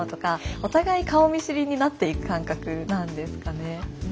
お互い顔見知りになっていく感覚なんですかね。